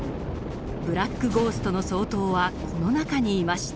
ブラック・ゴーストの総統はこの中にいました。